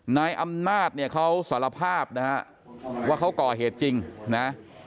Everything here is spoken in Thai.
นายอำนาจเนี่ยเขาสารภาพนะฮะว่าเขาก่อเหตุจริงนะ